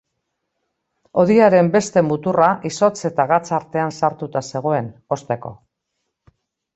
Hodiaren beste muturra izotz eta gatz artean sartuta zegoen, hozteko.